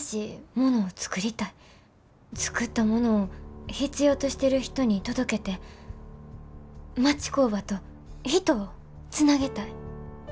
作ったものを必要としてる人に届けて町工場と人をつなげたい。